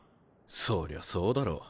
そりゃそうだろ